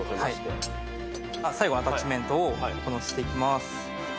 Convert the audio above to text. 最後アタッチメントを乗せていきます。